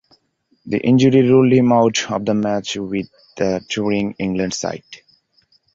The injury ruled him out of the match with the touring England side.